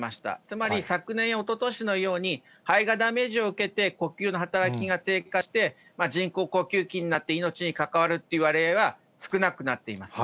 つまり昨年、おととしのように、肺がダメージを受けて、呼吸の働きが低下して、人工呼吸器になって、命に関わるって割合は、少なくなっています。